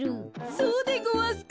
そうでごわすか？